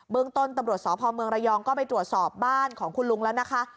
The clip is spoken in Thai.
เมืองต้นตำรวจสพเมืองระยองก็ไปตรวจสอบบ้านของคุณลุงแล้วนะคะ